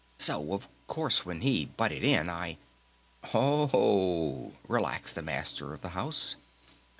So, of course, when he butted in I...." "O h," relaxed the Master of the House.